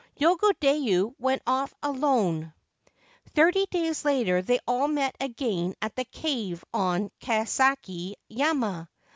Yogodayu went off alone, Thirty days later they all met again at the cave or Kasagi yama.